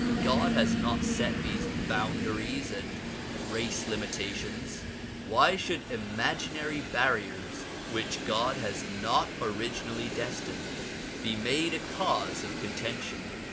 God has not set these boundaries and race limitations. Why should imaginary barriers which God has not originally destined, be made a cause of contention?